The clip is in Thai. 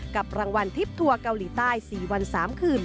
กับรางวัลทริปทัวร์เกาหลีใต้๔วัน๓คืน